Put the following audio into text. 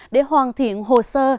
để hoàn thiện hồ sơ